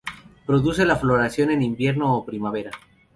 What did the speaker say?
Produce la floración en invierno o primavera.